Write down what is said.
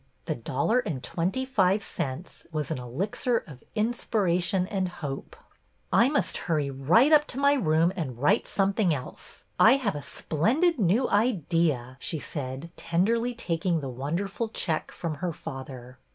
The dollar and twenty five cents was an elixir of inspiration and hope. " I must hurry right up to my room and write something else. I have a splendid new idea," she said, tenderly taking the wonderful check from her father.